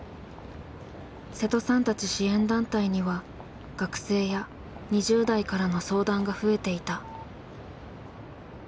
瀬戸さんたち支援団体には学生や２０代からの相談が増えていた。